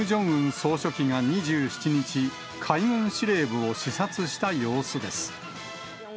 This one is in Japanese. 総書記が２７日、海軍司令部を視察した様子です。